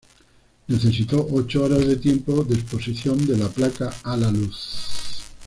Necesitó ocho horas de tiempo de exposición de la placa a la luz.